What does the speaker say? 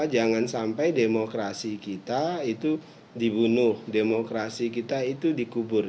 jangan sampai demokrasi kita itu dibunuh demokrasi kita itu dikubur